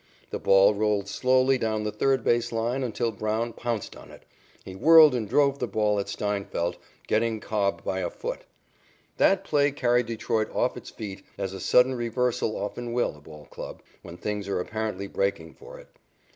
The ball rolled slowly down the third base line until Brown pounced on it. He whirled and drove the ball at Steinfeldt, getting Cobb by a foot. That play carried Detroit off its feet, as a sudden reversal often will a ball club, when things are apparently breaking for it.